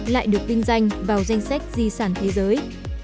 lại được vinh danh vào danh sách di sản thế giới